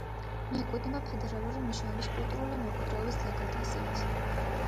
მიეკუთვნება ფედერალური მნიშვნელობის კულტურული მემკვიდრეობის ძეგლთა სიას.